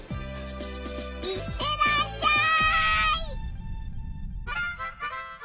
行ってらっしゃい！